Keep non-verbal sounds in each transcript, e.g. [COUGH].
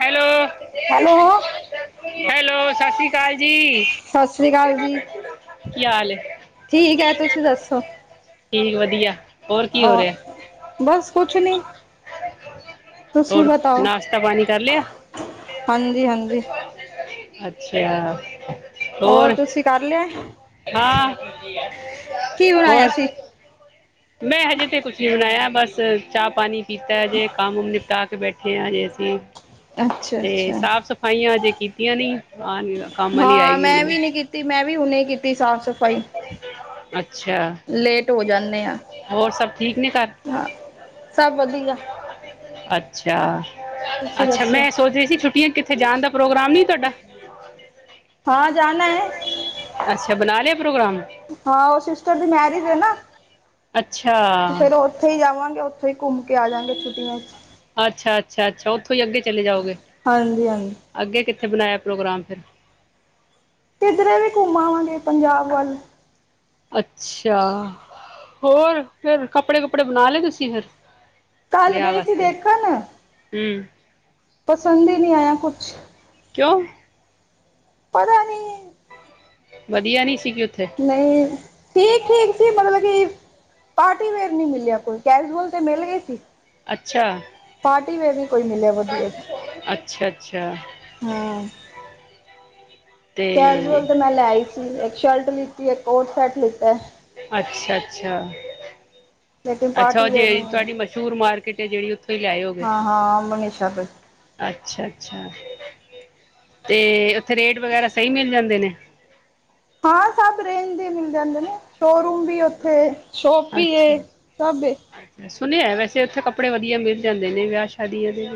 Hello? Hello hello, ਸਸ ਸ੍ਰੀ ਕਾਲ ਜੀ। ਸਸ ਸ੍ਰੀ ਕਾਲ ਜੀ, ਕੀ ਹਾਲ ਹੈ ਠੀਕ ਐ ਤੁਸੀਂ ਦੱਸੋ? ਠੀਕ, ਵਧੀਆ, ਹੋਰ ਕੀ ਹੋ ਔਰ ਰੇਆ? ਬਸ, ਕੁਛ ਨੀ ਤੁਸੀਂ ਹੋਰ, ਬਤਾਓ ਨਾਸ਼ਤਾ, ਪਾਣੀ ਕਰ ਲੇਆ? ਹਾਂਜੀ ਹਾਂਜੀ ਅੱਛਾ। ਹੋਰ, ਤੁਸੀਂ ਕਰ ਲੇਆ? ਹਾਂ, ਕੀ ਬਣਾਇਆ ਹੋਰ? ਸੀ ਮੈਂ ਹਜੇ ਤੇ, ਕੁਛ ਨੀ ਬਨਾਏਆ, ਬਸ, ਚਾਹ ਪਾਨੀ ਪੀਤਾ ਹਜੇ ਕੰਮ ਨਿਪਟਾ ਕੇ ਬੈਠੇ ਆਂ, ਹਜੇ ਅਸੀਂ। ਅੱਛਾ ਤੇ, ਅੱਛਾ ਸਾਫ ਸਫਾਈਆਂ, ਅਜੇ ਕੀਤੀਆਂ ਨੀ, ਆ ਕੰਮ ਆਲੀ ਆਈ ਤੇ, ਮੈਂ ਵੀ, ਹੁਨੇ ਕੀਤੀ ਸਾਫ ਫਾਈ, ਅੱਛਾ ਲੇਟ ਹੋ ਜਾਂਨੇ ਆ। ਹੋਰ ਸਭ ਠੀਕ ਨੇ ਘਰ ਹਾਂ, ਸਬ ਵਧੀਆ। ਅੱਛਾ, ਤੁਸੀਂ ਅੱਛਾ ਦੱਸੋ ਮੈਂ ਸੋਚ ਰਈ ਸੀ ਛੁੱਟੀਆਂ, ਕਿੱਥੇ ਜਾਣ ਦਾ ਪ੍ਰੋਗਰਾਮ ਨਈ ਤੁਆਡਾ? ਹਾਂ, ਜਾਨਾ ਏ। ਅੱਛਾ, ਬਨਾ ਲੇਆ ਪ੍ਰੋਗਰਾਮ? ਹਾਂ, ਓ ਸਿਸਟਰ ਦੀ ਮੈਰਿਜ, ਐ ਨਾ ਅੱਛਾ। ਫੇਰ ਉੱਥੇ ਈ ਜਾਵਾਂਗੇ, ਉੱਥੇ ਈ ਘੁੰਮ ਕੇ ਆ ਜਾਂਗੇ ਛੁੱਟੀਆਂ 'ਚ ਅੱਛਾ-ਅੱਛਾ, ਅੱਛਾ ਉੱਥੋਂ ਈ ਅੱਗੇ ਚਲੇ ਜਾਓਗੇ, ਹਾਂਜੀ ਹਾਂਜੀ ਅੱਗੇ ਕਿੱਥੇ ਬਨਾਇਆ ਪ੍ਰੋਗਰਾਮ ਫਿਰ? ਕਿਧਰੇ ਵੀ, ਘੁੰਮ ਆਵਾਂਗੇ ਪੰਜਾਬ ਵੱਲ। ਅੱਛਾ, ਹੋਰ ਫਿਰ ਕੱਪੜੇ- ਕੁਪੜੇ ਬਨਾ ਲਏ ਤੁਸੀਂ ਫਿਰ? ਕੱਲ ਵੇਆਹ, ਗਈ ਸੀ ਵਾਸਤੇ, ਦੇਖਣ ਹੂੰ ਪਸੰਦ ਈ, ਨੀਂ ਆਏਆ ਕੁਛ। ਕੇਉਂ? ਪਤਾ ਨੀਂ ਵਦੀਆ, ਨਈ ਸੀਗੇ ਉੱਥੇ? ਨਈਂ, ਠੀਕ- ਠੀਕ ਸੀ, ਮਤਲਬ ਕੀ ਪਾਰਟੀ ਵੇਅਰ ਨੀਂ ਮਿਲੇਆ ਕੋਈ, ਕੈਜੂਅਲ ਤੇ ਮਿਲ ਗਏ ਸੀ। ਅੱਛਾ। ਪਾਰਟੀ ਵੇਅਰ, ਨੀਂ ਕੋਈ ਮਿਲੇਆ। ਅੱਛਾ-ਅੱਛਾ। ਹਾਂ ਕੈਜ਼ੂਅਲ, ਤੇ ਮੈਂ ਲੈ ਆਈ ਸੀ। ਇੱਕ ਸ਼ਲਟ ਲਿੱਤੀ, ਇੱਕ ਕੋਟ ਸੈਟ, ਲਿੱਤਾ। ਅੱਛਾ-ਅੱਛਾ, ਲੇਕਿਨ ਅੱਛਾ, ਓ ਪਾਰਟੀ ਵੇਅਰ ਜੇੜੀ ਨਹੀਂ ਮਿਲੀ ਤੁਆਡੀ ਮ ਸ਼ੂਰ ਮਾਰਕੀਟ ਏ ਜੇਹੜੀ, ਉੱਥੋਂ ਈ ਲਿਆਏ ਹੋਗੇ। ਹਾਂ ਹਾਂ ਮਨੀਸ਼ਾ ਤੋਂ ਅੱਛਾ-ਅੱਛਾ, ਤੇ ਉੱਥੇ, ਰੇਟ ਵਗੈਰਾ ਸਈ ਮਿਲ ਜਾਂਦੇ ਨੇ?, ਹਾਂ, ਸਬ ਰੇਂਜ ਦੇ ਮਿਲ ਜਾਂਦੇ ਨੇ, ਸ਼ੋ ਰੂਮ ਵੀ ਐ ਉੱਥੇ। ਸ਼ੋਪ ਵੀ ਏ ਸਭ ਏ ਅੱਛਾ। ਸੁਨੇਆ ਵੈਸੇ ਉੱਥੇ, ਕੱਪੜੇ ਵਧੀਆ ਮਿਲ ਜਾਂਦੇ ਨੇ, ਵੇਆਹ ਸ਼ਾਦੀਆਂ ਦੇ।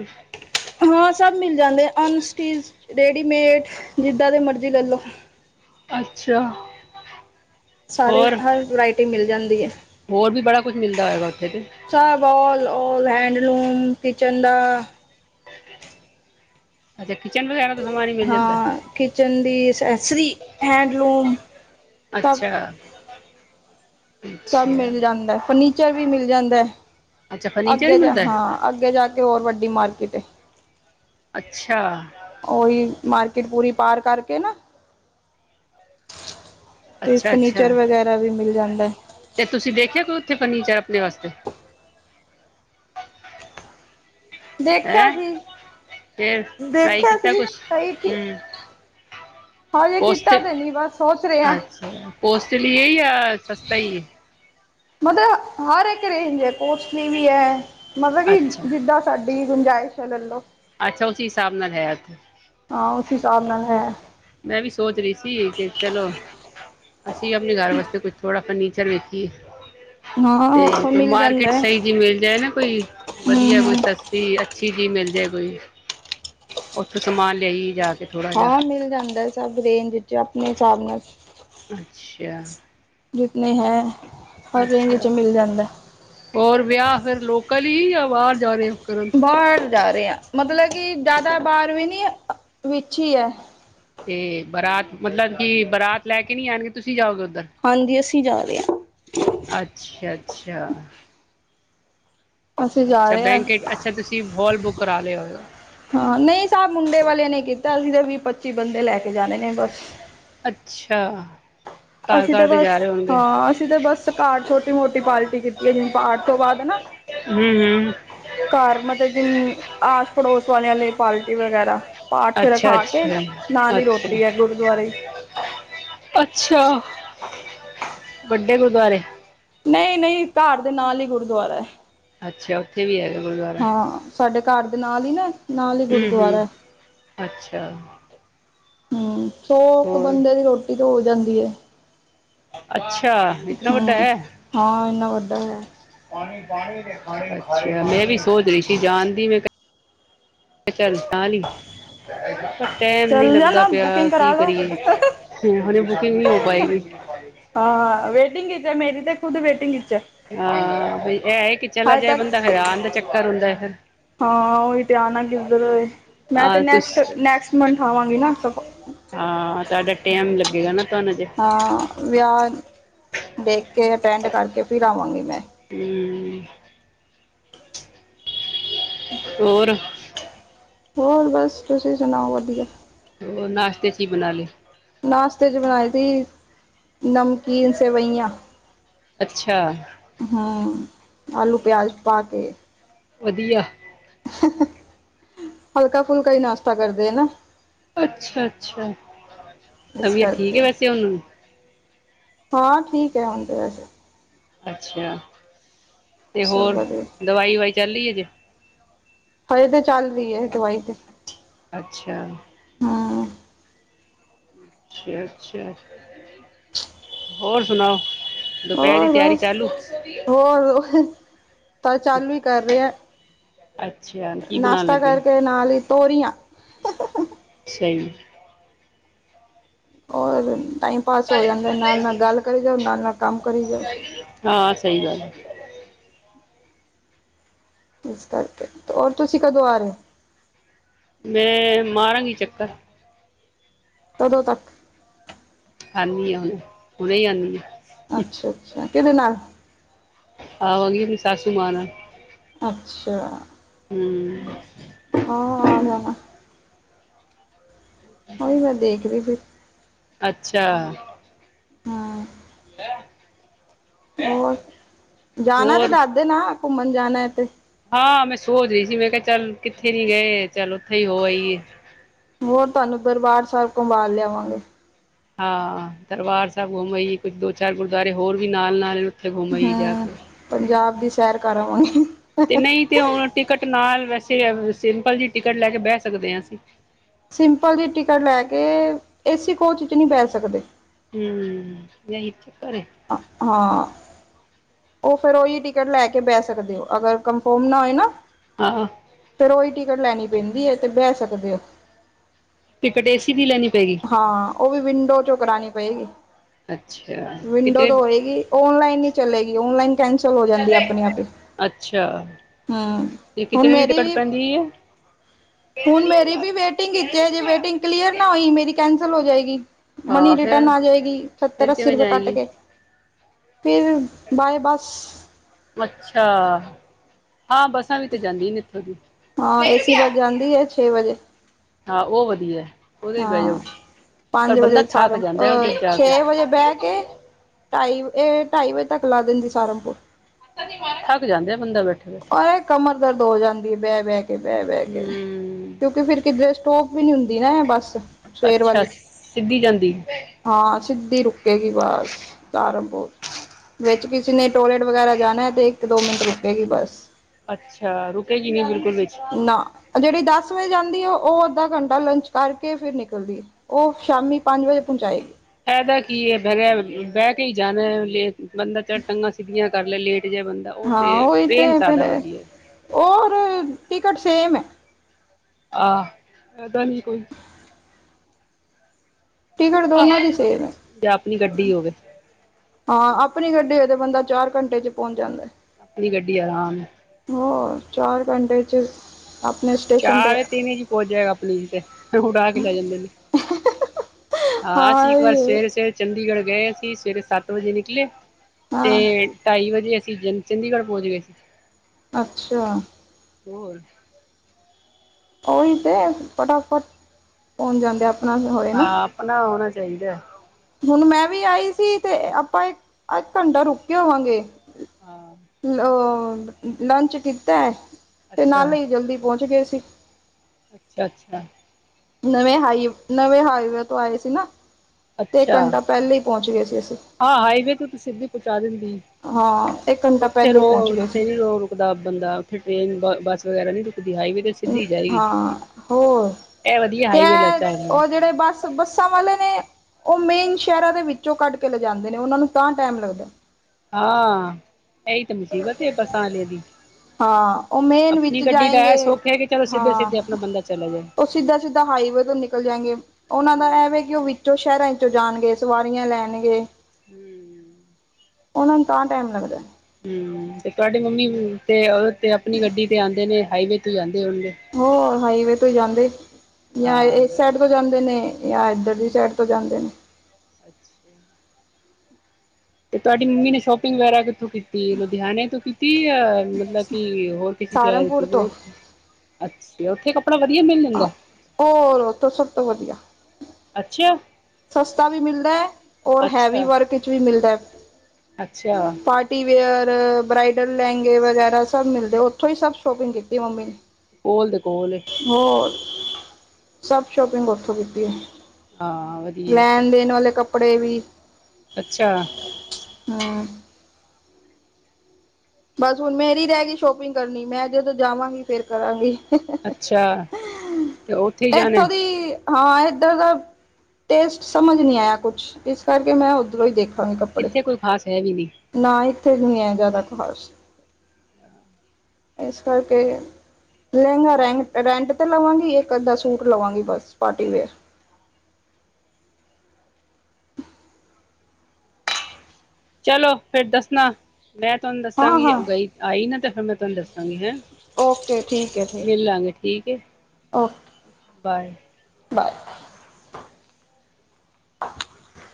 ਹਾਂ, ਸਬ ਮਿਲ ਜਾਂਦੇ, ਅਨਸਟਿਚ, ਰੇਡੀਮੇਡ, ਜਿੱਦਾਂ ਦੇ ਮਰਜ਼ੀ ਲੈ ਲਓ। ਅੱਛਾ। ਸਾਰੇ ਹੋਰ, ਹਰ ਵਰਾਇਟੀ ਮਿਲ ਜਾਂਦੀ ਹੈ। ਹੋਰ ਵੀ, ਬੜਾ ਕੁਛ ਮਿਲਦਾ ਹੈਗਾ ਉੱਥੇ ਤੇ। ਸਬ ਔਲ, ਔਲ ਹੈਂਡਲੂਮ, ਕਿਚਨ ਦਾ। ਅੱਛਾ, ਕਿਚਨ ਵਗੈਰਾ ਦਾ ਸਮਾਨ ਹੀ ਮਿਲ ਜਾਂਦਾ ਹਾਂ ਕਿਚਨ ਦੀ ਅਸੈਸਰੀ, ਹੈਂਡਲੂਮ। ਸਭ ਅੱਛਾ। ਸਭ ਅੱਛਾ ਮਿਲ ਜਾਂਦਾ, ਫਰਨੀਚਰ ਵੀ ਮਿਲ ਜਾਂਦਾ, ਅੱਛਾ ਫਰਨੀਚਰ ਹੀ ਅੱਗੇ ਜਾ ਮਿਲਦਾ ਹਾਂ। ਅੱਗੇ ਜਾ ਕੇ ਹੋਰ ਵੱਡੀ ਮਾਰਕੀਟ ਐ। ਅੱਛਾ। ਉਹੀ ਮਾਰਕੀਟ ਪੂਰੀ ਪਾਰ ਕਰਕੇ ਨਾ। ਤੇ ਅੱਛਾ ਅੱਛਾ ਫਰਨੀਚਰ ਵਗੈਰਾ ਵੀ ਮਿਲ ਜਾਂਦਾ। ਤੇ ਤੁਸੀਂ ਵੇਖਿਆ ਕੋ ਉੱਥੇ ਫਰਨੀਚਰ ਆਪਣੇ ਵਾਸਤੇ। ਦੇਖਿਆ ਹੈਂ ਸੀ ਫਿਰ ਟਰਾਈ ਦੇਖਿਆ ਕੀਤਾ ਸੀ ਕੁਛ ਸਹੀ ਸੀ। ਹਮ ਕੋਸਟ ਤੇ ਨਹੀਂ ਬਸ ਸੋਚ ਰਹੇ ਹਾਂ ਅੱਛਾ ਕੋਸਟਲੀ ਹੈ ਯਾ ਸਸਤਾ ਈ ਐ। ਮਤਲਬ ਹਰ ਇੱਕ ਰੇਂਜ ਹੈ ਕੋਸਲੀ ਵੀ ਹੈ, ਮਤਲਬ ਕਿ ਅੱਛਾ ਜਿੱਦਾਂ। ਸਾਡੀ ਗੁੰਜਾਇਸ਼ ਹੈ ਲੈ ਲੋ। ਅੱਛਾ ਉਸੀ ਹਿਸਾਬ ਨਾਲ ਹੈ ਉੱਥੇ। ਹਾਂ ਉਸ ਹਿਸਾਬ ਨਾਲ ਹੈ। ਮੈਂ ਵੀ ਸੋਚ ਰਹੀ ਸੀ ਕਿ, ਚਲੋ। ਅਸੀਂ ਆਪਣੇ ਘਰ ਵਾਸਤੇ ਕੁਛ ਥੋੜਾ ਫਰਨੀਚਰ ਵੇਖੀਏ। ਹਾਂ ਉੱਥੋਂ ਤੇ ਮਿਲ ਜਾਂਦਾ ਮਾਰਕੀਟ ਹੈ ਸਹੀ ਜਿਹੀ ਮਿਲ ਜਾਏ ਨਾ ਕੋਈ ਹੂੰ ਵਧੀਆ ਹੂੰ ਕੋਈ ਸਸ- ਤੀ ਅੱਛੀ ਜੀ ਮਿਲ ਜਾਏ ਕੋਈ, ਉੱਥੋਂ ਸਮਾਨ ਲਿਆਇ ਏ ਜਾ ਕੇ। ਥੋੜ੍ਹਾ ਜਿਹਾ ਹਾਂ ਮਿਲ ਜਾਂਦਾ ਸਭ ਰੇਂਜ ਚ ਆਪਣੇ ਹਿਸਾਬ ਨਾਲ। ਅੱਛੇਆ। ਜਿਤਨੀ ਹੈ। ਹਰ ਰੇਂਜ ਵਿੱਚ ਅੱਛਾ ਮਿਲ ਜਾਂਦਾ ਹੋਰ ਵਿਆਹ ਫੇਰ ਲੋਕਲ ਹੀ ਯਾ ਬਾਹਰ ਜਾ ਰਹੇ ਹੋ ਕਰਣ? ਬਾਹਰ ਜਾ ਰਹੇ ਆ ਮਤਲਬ ਕਿ ਜ਼ਿਆਦਾ ਬਾਹਾਰ ਵੀ ਨੀ ਵਿੱਚ ਹੀ ਹੈ। ਤੇ ਬਰਾਤ ਮਤਲਬ ਕਿ ਬਰਾਤ ਲੈ ਕੇ ਨਹੀਂ ਆਣਗੇ ਤੁਸੀਂ ਜਾਓਗੇ ਉੱਧਰ। ਹਾਂਜੀ ਅਸੀਂ ਜਾ ਰਹੇ ਹਾਂ। ਅੱਛਾ- ਅੱਛਾ। ਹਾਂ ਅਸੀਂ ਜਾ ਅੱਛਾ ਰਹੇ ਹਾਂ ਬੈਂਕ ਅੱਛਾ ਤੁਸੀਂ ਹੋਲ ਬੁੱਕ ਕਰਾ ਲਿਆ ਹੋਏਗਾ। ਹਾਂ ਨਹੀਂ ਸਾਬ ਮੁੰਡੇ ਵਾਲੇ ਨੇ ਕੀਤਾ ਅਸੀਂ ਤੇ ਵੀਹ- ਪੱਚੀ ਬੰਦੇ ਲੈ ਕੇ ਜਾਣੇ ਨੇ ਬਸ। ਅੱਛਾ, ਤਾਂ ਅਸੀਂ ਕਦ ਜਾ ਬਸ ਰਹੇ ਹੋ? ਹਾਂ ਅਸੀਂ ਤਾਂ ਬਸ ਘਰ ਛੋਟੀ- ਮੋਟੀ ਪਾਰਟੀ ਕੀਤੀ ਹੈ ਜਿਵੇਂ ਪਾਰਠ ਤੋਂ ਬਾਅਦ, ਹੈਨਾ। ਹੂੰ -ਹੂੰ। ਘਰ ਮਤਲਬ ਜਿਨ ਆਸ- ਪੜੋਸ ਵਾਲਿਆਂ ਲਈ ਪਾਲਟੀ ਵਗੈਰਾ। ਪਾਠ ਅੱਛਾ ਰਖਾ ਕੇ, ਅੱਛਾ ਨਾਲ ਹੀ ਅੱਛਾ ਰੋਟੀ ਹੈ ਗੁਰਦੁਆਰੇ ਹੀ। ਅੱਛਾ, ਵੱਡੇ ਗੁਰਦੁਆਰੇ? ਨਹੀਂ- ਨਹੀਂ ਘਰ ਦੇ ਨਾਲ ਹੀ ਗੁਰਦੁਆਰਾ ਹੈ। ਅੱਛਾ ਉੱਥੇ ਵੀ ਹੈਗਾ ਗੁਰਦੁਆਰਾ। ਹਾਂ ਸਾਡੇ ਘਰ ਦੇ ਨਾਲ ਹੀ ਨਾ, ਨਾਲ ਹੀ ਹੂੰ ਗੁਰਦੁਆਰਾ ਹੂੰ ਐ। ਅੱਛਾ ਹੂੰ ਸੌ ਕੁ ਹੋਰ ਬੰਦੇ ਦੀ ਰੋਟੀ ਤੇ ਹੋ ਜਾਂਦੀ ਹੈ। ਅੱਛਾ। ਇਤਨਾ ਵੱਡਾ ਹੂੰ, ਹੈ ਹਾਂ ਇਨਾ ਵੱਡਾ ਹੈ। ਅੱਛਾ ਮੈਂ ਵੀ ਸੋਚ ਰਹੀ ਸੀ ਜਣ ਦੀ ਮੈਂ ਕ- ਕਿਆ ਚੱਲ ਨਾਲ ਈ ਪਰ ਟੈਮ ਨੀ ਚੱਲ ਲੱਗਦਾ ਜਾਣਾ ਪਿਆ ਬੁਕਿੰਗ ਕੀ ਕਰਾ ਲੋ। ਕਰੀਏ। ਹ ਹੁਣੇ ਬੁਕਿੰਗ ਨਹੀਂ ਹੋ ਪਾਏਗੀ। ਹਾਂ ਵੇਟਿੰਗ ਚ ਐ ਮੇਰੀ ਤੇ ਖੁਦ ਵੇਟਿੰਗ ਚ ਹੈ। ਹਾਂ ਬ ਇਹ ਹੀ ਕਿ ਚਲਾ ਹਜੇ ਜਾਏ ਬੰਦਾ ਤੱਕ ਫੇਰ ਆਂਣ ਦਾ ਚੱਕਰ ਹੁੰਦਾ ਫੇਰ। ਹਾਂ ਉਹੀ ਤੇ ਆਣਾ ਕਿੱਧਰ ਏ ਮੈਂ ਤੇ ਹਾਂ ਤੁਸ ਨੈਕਸਟ ਨੈਕਸਟ ਮੰਥ ਆਵਾਂਗੀ ਨਾ। ਹਾਂ ਤੁਆਡਾ ਟਾਈਮ ਲੱਗੇਗਾ ਨਾ ਤੁਆਨੂੰ ਜੇ ਹਾਂ ਵਿਆਹ ਦੇਖ ਕੇ, ਅਟੈਂਡ ਕਰਕੇ ਫਿਰ ਆਵਾਂਗੀ ਮੈਂ। ਕੀ ਹੋਰ। ਹੋਰ ਬਸ ਤੁਸੀਂ ਸੁਣਾਓ ਵਧੀਆ। ਉਹ ਨਾਸ਼ਤੇ ਚ ਈ ਬਣਾ ਲੇ। ਨਾਸ਼ਤੇ ਚ ਬਣਾਈ ਤੀ ਨਮਕੀਨ ਸੇਵਈਆਂ। ਅੱਛਾ। ਹਾਂ, ਆਲੂ ਪਿਆਜ ਪਾ ਕੇ। ਵਧੀਆ। [UNINTELLIGIBLE] ਹਲਕਾ-ਫੁਲਕਾ ਈ ਨਾਸ਼ਤਾ ਕਰਦੇ ਏ ਨਾ। ਅੱਛਾ ਅੱਛਾ, ਇਸ ਤਬੀਅਤ ਠੀਕ ਕਰਕੇ ਐ ਵੈਸੇ ਹੁਣ। ਹਾਂ ਠੀਕ ਐ ਹੁਣ ਤੇ ਵੈਸੇ। ਅੱਛਾ ਤੇ ਸਭ ਹੋਰ ਵਧੀਆ ਦਵਾਈ-ਵਾਈ ਚੱਲੀ ਐ ਜੇ। ਹਜੇ ਤੇ ਚੱਲ ਰਹੀ ਐ ਦਵਾਈ ਤੇ। ਅੱਛਾ। ਹੂੰ ਅੱਛਾ ਅੱਛਾ, ਹੋਰ ਸੁਣਾਓ ਦੁਪਹਿਰੀ ਹੋਰ ਹੋਰ ਹੋ ਤਾਂ ਚਲਵੀ ਕਰ ਰਿਆ। ਅੱਛਾ। ਕੀ ਬਣਾਉਣ ਨਾਸ਼ਤਾ ਲੱਗੇ ਕਰਕੇ ਨਾਲ ਈ ਤੋਰੀਆਂ। ਸਈ। ਔਰ ਟਾਈਮ ਪਾਸ ਹੋ ਜਾਂਦਾ ਨਾਲ-ਨਾਲ ਗੱਲ ਕਰੀ ਜਾਓ, ਨਾਲ-ਨਾਲ ਕੰਮ ਕਰੀ ਜਾਓ। ਹਾਂ ਸਈ ਗੱਲ ਐ। ਇਸ ਕਰਕੇ ਹੋਰ ਤੁਸੀਂ ਕਦੋਂ ਆ ਰੇ ਔ। ਮੈਂ ਮਾਰਾਂਗੀ ਚੱਕਰ। ਕਦੋਂ ਤੱਕ? ਆਣੀ ਆਂ ਹੁਣ ਹੁਣੇ ਈ ਆਣੀ ਆਂ। ਅੱਛਾ ਅੱਛਾ, ਕਿਹਦੇ ਨਾਲ? ਆਵਾਂਗੀ ਸਾਸੂ ਮਾਂ ਨਾ। ਅੱਛਾ। ਹਂ। ਹਾਂ, ਆ ਜਾਣਾ। ਔਈ ਏ ਦੇਖਦੇ ਫਿਰ। ਅੱਛਾ। ਹਾਂ। ਲੈਅ ਹੋਰ, ਜਾਣਾ ਤੇ ਦਾਹਦੇ ਨਾਂ ਘੁੰਮਣ ਜਾਣਾ ਏ ਤੇ। ਹਾਂ ਮੈਂ ਸੋਚ ਰੀ ਸੀ ਮੈਂ ਕਿਆ ਚੱਲ ਕਿੱਥੇ ਨੀ ਗਏ ਚੱਲ ਉੱਥੇ ਈ ਹੋ ਆਈਏ। ਹੋਰ ਤੁਆਨੂੰ ਦਰਬਾਰ ਸਾਹਿਬ ਘਬਾਲ ਲਿਆਵਾਂਗੇ। ਹਾਂ ਦਰਬਾਰ ਸਾਹਿਬ ਘੁੰਮ ਆਈਏ ਕੁਝ ਦੋ ਚਾਰ ਗੁਰਦੁਆਰੇ ਹੋਰ ਵੀ ਨਾਲ-ਨਾਲ। ਹਂ, ਪੰਜਾਬ ਦੀ ਸੈਰ ਕਰਆਵਾਂਗੇ। ਤੇ ਨਈਂ ਤੇ ਹੁਣ ਟਿਕਟ ਨਾਲ ਵੈਸੇ ਸਿੰਪਲ ਜੀ ਟਿਕਟ ਲੈ ਕੇ ਬੈਅ ਸਕਦੇ ਆਂ ਅਸੀਂ। ਸਿੰਪਲ ਦੀ ਟਿਕਟ ਲੈ ਕੇ ਏਸੀ ਕੋਚ ਚ ਨ੍ਹੀਂ ਬੈਅ ਸਕਦੇ। ਹਂ, ਨਈਂ ਤੇ ਪਰ ਏ। ਹਾਂ ਉਹ ਫੇਰ ਉਹੀ ਟਿਕਟ ਲੈ ਕੇ ਬਹਿ ਸਕਦੇ ਹੋ ਅਗਰ ਕਨਫਰਮ ਨਾ ਹੋਏ ਨਾ। ਹਾਂ ਫਿਰੋ ਹੀ ਟਿਕਟ ਲੈਣੀ ਪੈਂਦੀ ਹੈ ਏ ਤੇ ਬਹਿ ਸਕਦੇ ਹੋ। ਟਿਕਟ ਏਸੀ ਦੀ ਲੈਣੀ ਪਏਗੀ। ਹਾਂ ਉਹ ਵੀ ਵਿੰਡੋ ਚੋਂ ਕਰਾਉਣੀ ਪਏਗੀ। ਅੱਛਾ। ਵਿੰਡੋ ਕਿਤਨੇ ਤੋਂ ਹੋਏਗੀ ਓਨਲਾਈਨ ਈ ਚਲੇਗੀ ਓਨਲਾਈਨ ਕੈਂਸਲ ਹੋ ਜਾਂਦੀ ਆਪਣੇ ਆਪ ਹੀ। ਅੱਛਾ ਹਮ ਤੇ ਹੁਣ ਕਿਤਨੇ ਦੀ ਮੇਰੀ ਟਿਕਟ ਵੀ ਪੈਂਦੀ ਹੈ? ਹੁਣ ਮੇਰੀ ਵੀ ਵੇਟਿੰਗ ਵਿਚ ਹੈ, ਜੇ ਵੇਟਿੰਗ ਕਲੀਅਰ ਨਾ ਹੋਈ ਮੇਰੀ ਕੈਂਸਲ ਹੋ ਜਾਏਗੀ। ਮਨੀ ਹਾਂ ਰਿਟਰਨ ਫਿਰ ਆ ਜਾਏਗੀ ਫਿਰ ਸੱਤਰ-ਅੱਸੀ ਕਿਵੇਂ ਰੁਪਏ ਕਟ ਜਾਏਗੀ ਕੇ। ਫਿਰ ਬਾਏ ਬਸ। ਅੱਛਾ ਆ ਬੱਸਾਂ ਵੀ ਤੇ ਜਾਂਦੀ ਨੇ ਇੱਥੋਂ ਦੀ। ਹਾਂ ਏਸੀ ਬੱਸ ਜਾਂਦੀ ਹੈ ਛੇ ਵਜੇ। ਹਾਂ ਉਹ ਵਧੀਆ। ਉਹਦੇ ਬਹਿ ਹਾਂ ਜਾਓ ਪਰ ਪੰਜ ਬੰਦਾ ਵਜੇ ਥੱਕ ਸਹਾਰਨ ਜਾਂਦਾ ਅਹ ਉਹਦੇ ਜਾ ਕੇ ਛੇ ਵਜੇ ਬਹਿ ਕੇ। ਢਾਈ ਇਹ ਢਾਈ ਵਜੇ ਤੱਕ ਲਾ ਦਿੰਦੀ ਸਹਾਰਨਪੁਰ। ਥੱਕ ਜਾਂਦੇ ਆ ਬੰਦਾ ਬੈਠੇੇ-ਬੈਠੇ। ਅਰੇ ਕਮਰ ਦਰਦ ਹੋ ਜਾਂਦੀ ਹੈ ਬਹਿ-ਬਹਿ ਕੇ ਬਹਿ-ਬਹਿ ਕੇ। ਹਮ ਕਿਉਂਕਿ ਫਿਰ ਕਿਧਰੇ ਸਟੋਪ ਵੀ ਨੀ ਹੁੰਦੀ ਨਾ ਇਹ ਬੱਸ। ਸਵੇਰ ਅੱਛਾ ਵਾਲੀ ਸਿੱਧੀ ਜਾਂਦੀ। ਹਾਂ ਸਿੱਧੀ ਰੁਕੇਗੀ ਬਸ ਸਹਾਰਨਪੁਰ। ਵਿੱਚ ਕਿਸੇ ਨੇ ਟਾਇਲਟ ਵਗੈਰਾ ਜਾਣਾ ਹੈ ਤੇ ਇੱਕ-ਦੋ ਮਿੰਟ ਰੁਕੇਗੀ ਬੱਸ। ਅੱਛਾ ਰੁਕੇਗੀ ਨੀ ਬਿਲਕੁਲ ਵਿੱਚ। ਨਾ ਆ ਜਿਹੜੀ ਦਸ ਵਜੇ ਜਾਂਦੀ ਆ ਉਹ ਅੱਧਾ ਘੰਟਾ ਲੰਚ ਕਰਕੇ ਫਿਰ ਨਿਕਲਦੀ ਏ ਉਹ ਸ਼ਾਮੀ ਪੰਜ ਵਜੇ ਪਹੁੰਚਾਏਗੀ ਫਾਇਦਾ ਕੀ ਹੈ ਬੈ ਬਹਿ ਕੇ ਹੀ ਜਾਣਾ ਹੈ ਲੇ ਬੰਦਾ ਜਰਾਂ ਟੰਗਾਂ ਸਿੱਧੀਆਂ। ਕਰ ਲੇ ਲੇਟ ਜਿਹਾ ਬੰਦਾ ਉਹ ਹਾਂ ਤੇ ਹੈ ਉਹੀ ਤੇ ਟ੍ਰੇਨ ਫਿਰ ਜ਼ਿਆਦਾ ਵਧੀਆ। ਔਰ ਟਿਕਟ ਸੇਮ ਹੈ। ਆਹ ਜਿਆਦਾ ਨੀ ਕੋਈ। ਟਿਕਟ ਦੋਨਾਂ ਦੀ ਸੇਮ ਹੈ। ਜਾਂ ਆਪਣੀ ਗੱਡੀ ਹੋਵੇ ਹਾਂ ਆਪਣੀ ਗੱਡੀ ਹੋਏ ਤੇ ਬੰਦਾ ਚਾਰ ਘੰਟੇ ਚ ਪਹੁੰਚ ਜਾਂਦਾ। ਆਪਣੀ ਗੱਡੀ ਆਰਾਮ। ਹੋਰ ਚਾਰ ਘੰਟੇ ਚ। ਆਪਣੇ ਸ। ਚਾਰ-ਤਿੰਨ ਚ ਪਹੁੰਚ ਜਾਏਗਾ ਆਪਣੀ ਚ ਤੇ ਉੜਾ ਕੇ ਲੈ ਜਾਂਦੇ ਨੇ। ਹਾਂ ਅਸੀਂ ਇੱਕ ਵਾਰ ਸਵੇਰੇ-ਸਵੇਰੇ ਚੰਡੀਗੜ੍ਹ ਗਏ ਅਸੀਂ ਸਵੇਰੇ ਸੱਤ ਵਜੇ ਨਿਕਲੇ। ਤੇ ਹਾਂ ਢਾਈ ਵਜੇ ਅਸੀਂ ਚ ਚੰਡੀਗੜ੍ਹ ਪਹੁੰਚ ਗਏ। ਅੱਛਾ। ਹੋਰ। ਉਹੀ ਤੇ ਫਟਾਫਟ ਪਹੁੰਚ ਜਾਂਦੇ ਆਪ। ਹਾਂ ਆਪਣਾ ਹੋਣਾ ਚਾਹੀਦਾ। ਹੁਣ ਮੈਂ ਵੀ ਆਈ ਸੀ ਤੇ ਆਪਾਂ ਇੱਕ-ਅੱਧ ਘੰਟਾ ਰੁਕੇ ਹੋਵਾਂਗੇ। ਹਾਂ ਲ ਲੰਚ ਕੀਤਾ ਏ। ਤੇ ਅੱਛਾ ਨਾਲ ਹੀ ਜਲਦੀ ਪਹੁੰਚ ਗਏ ਸੀ। ਅੱਛਾ ਅੱਛਾ। ਨਵੇਂ ਹਾਈ, ਨਵੇਂ ਹਾਈਵੇ ਤੋਂ ਆਏ ਸੀ ਨਾ। ਤੇ ਇੱਕ ਅੱਛਾ, ਘੰਟਾ ਪਹਿਲੇ ਹੀ ਪਹੁੰਚ ਗਏ ਸੀ ਅਸੀਂ ਹਾਂ ਹਾਈਵੇ ਤੋਂ ਤੁ ਸਿੱਧੀ ਪਹੁੰਚਾ ਦਿੰਦੀ। ਹਾਂ ਇੱਕ ਘੰਟਾ ਉੱਥੇ ਪਹਿਲੇ ਹੀ ਰੋ ਪਹੁੰਚ ਗਏ ਸੀ ਉੱਥੇ ਨੀ ਰੋ ਰੁਕਦਾ ਬੰਦਾ, ਉੱਥੇ ਟ੍ਰੇਨ ਬੱਸ ਵਗੈਰਾ ਨੀ ਰੁਕ ਹਾਈਵੇ ਤੇ ਸਿੱਧੀ ਜਾਏਗੀ, ਹਾਂ ਹੋਰ ਇਹ ਵਧੀਆ ਹਾਈਵੇ ਲਚਾ ਉਹ ਜਿਹੜੇ ਬੱਸ ਤੇ ਬੱਸਾਂ ਵਾਲੇ ਨੇ, ਉਹ ਮੇਨ ਸ਼ਹਿਰਾਂ ਦੇ ਵਿੱਚੋਂ ਕੱਢ ਕੇ ਲਿਜਾਂਦੇ ਨੇ ਉਹਨਾਂ ਨੂੰ ਤਾਂ ਟਾਈਮ ਲੱਗਦਾ। ਹਾਂ, ਇਹੀ ਤੇ ਮੁਸੀਬਤ ਹੈ ਬੱਸਾਂ ਵਾਲਿਆਂ ਦੀ। ਹਾਂ ਉਹ ਮੇਨ ਵਿੱਚ ਆਪਣੀ ਗੱਡੀ ਦਾ ਇਹ ਜਾਏਗੇ, ਸੁੱਖ ਹੈ ਕਿ ਚਲੋ ਸਿੱਧੇ ਹਾਂ ਸਿੱਧੇ ਆਪਣਾ ਬੰਦਾ ਚਲਾ ਜਾਏ ਉਹ ਸਿੱਧਾ-ਸਿੱਧਾ ਹਾਈਵੇ ਤੋਂ ਨਿਕਲ ਜਾਏਗੇ, ਉਹਨਾਂ ਦਾ ਇਹ ਹਮ ਵ ਕਿ ਉਹ ਜੋ ਸ਼ਹਿਰਾਂ 'ਚੋਂ ਜਾਣਗੇ, ਸਵਾਰੀਆਂ ਲੈਣਗੇ। ਹਮ। ਉਹਨਾ ਨੂੰ ਤਾਂ ਟਾਈਮ ਲੱਗਦਾ। ਹੂੰ, ਤੇ ਤੁਹਾਡੇ ਮੰਮੀ ਤੇ ਉਹ ਤੇ ਆਪਣੀ ਗੱਡੀ ਤੇ ਆਉਂਦੇ ਨੇ, ਹਾਈਵੇ ਤੋਂ ਜਾਂਦੇ ਹੋਣਗੇ? ਹੋਰ, ਹਾਈਵੇ ਤੋਂ ਜਾਂਦੇ ਯਾ ਹਾਂ ਏ ਸਾਈਡ ਤੋਂ ਜਾਂਦੇ ਨੇ, ਯਾ ਇੱਧਰ ਦੀ ਸਾਈਡ ਤੋਂ ਜਾਂਦੇ ਨੇ। ਅੱਛਾ। ਤੇ ਤੁਹਾਡੀ ਮੰਮੀ ਨੇ ਸ਼ੋਪਿੰਗ ਵਗੈਰਾ ਕਿੱਥੋਂ ਕੀਤੀ, ਲੁਧਿਆਣੇ ਤੋਂ ਕੀਤੀ ਯਾ ਮਤਲਬ ਕਿ ਹੋਰ ਕਿਸੇ ਸ਼ਹਿਰ ਸਹਾਰਨਪੁਰ 'ਚ ਤੋਂ ਉਥੇ, ਅੱਛਾ, ਉੱਥੇ ਕ ਕਪੜਾ ਵਧੀਆ ਮਿਲ ਜਾਂਦਾ? ਔਰ ਉਥੋਂ ਸਭ ਤੋਂ ਵਧੀਆ ਅੱਛਾ ਸਸਤਾ ਵੀ ਮਿਲਦਾ ੲੈ, ਔਰ ਹੈਵੀ ਅੱਛਾ ਵਰਕ ਵਿੱਚ ਵੀ ਮਿਲਦਾ ਏ। ਅੱਛਾ। ਪ੍ਰੀ ਵੇਅਰ, ਬ੍ਰਾਈਡਲ ਲਹਿੰਗੇ, ਵਗੈਰਾ ਸਭ ਮਿਲਦੇ, ਉੱਥੋਂ ਹੀ ਸਭ ਸ਼ੋਪਿੰਗ ਕੀਤੀ ਮੰਮੀ ਨੇ। ਕੋਲ ਦੇ ਕੋਲ ਏ। ਹੋਰ, ਸਭ ਸ਼ੋਪਿੰਗ ਉੱਥੋਂ ਕੀਤੀ ਏ। ਹਾਂ ਵ ਲੈਣ ਦੇਣ ਵਾਲੇ ਕੱਪੜੇ ਵੀ। ਅੱਛਾ। ਹੂੰ। ਬਸ ਹੁਣ ਮੇਰੀ ਰਹਿ ਗਈ ਸ਼ੋਪਿੰਗ ਕਰਨੀ, ਮੈਂ ਜਦੋਂ ਜਾਵਾਂਗੀ ਫੇਰ ਕਰਾਂਗੀ। ਅੱਛਾ ਤੇ ਉੱਥੇ ਹੀ [UNINTELLIGIBLE] ਜਾਣਾ ਇੱਥੋਂ ਦੀ ਹਾਂ ਇੱਧਰ ਦਾ, ਟੇਸਟ ਸਮਝ ਨਹੀਂ ਆਇਆ ਕੁਛ, ਇਸ ਕਰਕੇ ਮੈਂ ਉੱਧਰੋਂ ਹੀ ਦੇਖ ਇੱਥੇ ਕੋਈ ਖਾਸ ਹੈ ਵੀ ਨਹੀਂ। ਨਾ ਇੱਥੇ ਨਿ ਹੈ, ਜ਼ਿਆਦਾ ਖਾਸ਼। [INAUDIBLE] ਇਸ ਕਰਕੇ, ਲਹਿੰਗਾ ਰੈਂਟ, ਰੈਂਟ ਤੇ ਲਵਾਂਗੀ, ਇੱਕ ਅੱਧਾ ਸੂਟ ਲਵਾਂਗੀ ਬਸ, ਪਾਰਟੀ ਵੇਅਰ। ਚਲੋ ਫੇਰ ਦੱਸਣਾ। ਮੈਂ ਤੁਹਾਨੂੰ ਹਾਂ ਦੱਸਾਂਗੀ ਹਾਂ ਗਈ ਆਈ ਨਾ ਤੇ, ਫਿਰ ਮੈਂ ਤੁਹਾਨੂੰ ਦੱਸਾਂਗੀ, ਹੈਂ। ਓਕੇ ਠੀਕ ਹੈ ਠੀਕ ਮਿਲਾਂਗੇ ਠੀਕ ਏ, ਓਕੇ ਬਾਏ। ਬਾਏ। ਹ [INAUDIBLE]